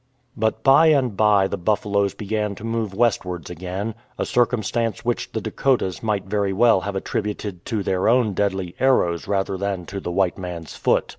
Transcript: But by and by the buffaloes began to move westwards again — a circumstance which the Dakotas might very well have attributed to their own deadly arrows rather than to the white man's foot.